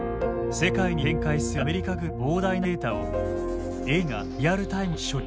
世界に展開するアメリカ軍の膨大なデータをＡＩがリアルタイムに処理。